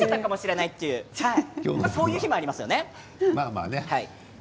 こういう日もありますよね。